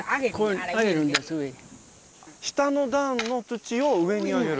下の段の土を上に上げる。